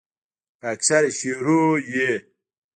پۀ اکثره شعرونو ئې